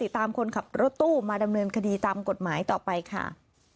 ตามกฎหมายต่อไปค่ะ